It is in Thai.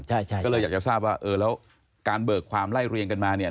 ใช่ใช่ก็เลยอยากจะทราบว่าเออแล้วการเบิกความไล่เรียงกันมาเนี่ย